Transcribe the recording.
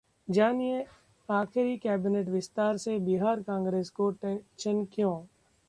जानिए... आखिर कैबिनेट विस्तार से बिहार कांग्रेस को टेंशन क्यों?